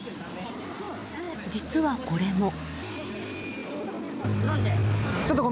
実は、これも。